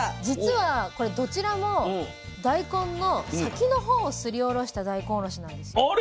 実はこれどちらも大根の先の方をすりおろした大根おろしなんですよ。